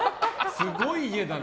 すごい家だな。